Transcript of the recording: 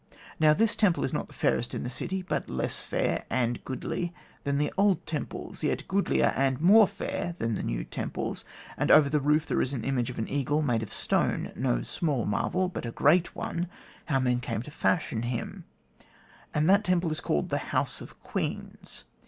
Now this temple is not the fairest in the city, but less fair and goodly than the old temples, yet goodlier and more fair than the new temples; and over the roof there is the image of an eagle made of stone no small marvel, but a great one, how men came to fashion him; and that temple is called the House of Queens.